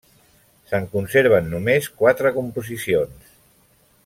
Se'n conserven només quatre composicions.